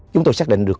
chúng tôi xác định được